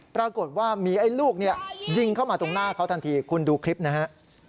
ปรากฏว่ามีไอ้ลูกเนี่ยยิงเข้ามาตรงหน้าเขาทันทีคุณดูคลิปนะฮะ